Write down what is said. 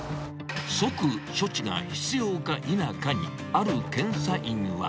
即処置が必要か否かにある検査員は。